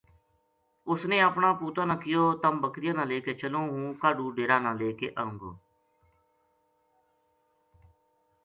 اس نے اپنا پُوتاں نا کہیو تَم بکریاں نا لے چلوں ہوں کاہڈو ڈیرا نا لے کے آؤں گو